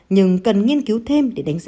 nhưng cần nghiên cứu thêm để đánh giá